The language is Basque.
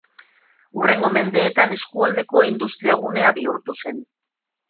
Hurrengo mendeetan eskualdeko industriagunea bihurtu zen.